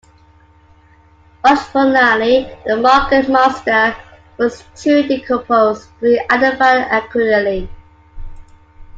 Unfortunately the "Margate monster" was too decomposed to be identified accurately.